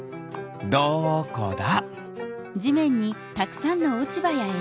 どこだ？